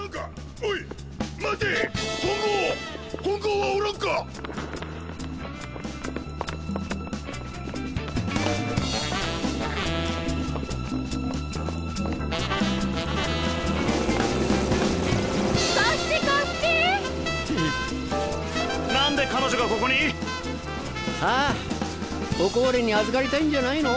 おこぼれにあずかりたいんじゃないの？